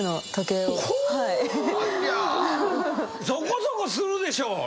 そこそこするでしょ？